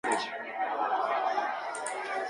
Ninguno de los dos consigue su tarea.